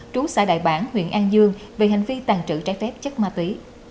trú xã đại bản huyện an dương về hành vi tàn trự trái phép chất ma tí